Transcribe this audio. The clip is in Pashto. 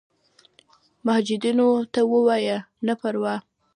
مجاهدینو ته ووایه نه پروا.